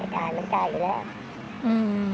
จ่ายมันจ่ายอีกแล้ว